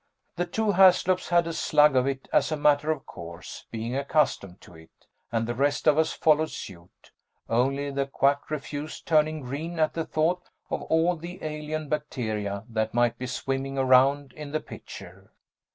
The two Haslops had a slug of it as a matter of course, being accustomed to it, and the rest of us followed suit. Only the Quack refused, turning green at the thought of all the alien bacteria that might be swimming around in the pitcher.